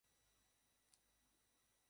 না, মাফ চাই।